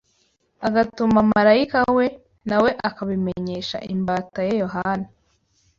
agatuma marayika we, na we akabimenyesha imbata ye Yohana